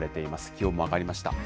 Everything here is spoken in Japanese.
気温も上がりました。